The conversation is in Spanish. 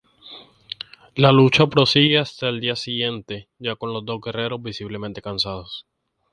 La lucha prosigue hasta el día siguiente, ya con los dos guerreros visiblemente cansados.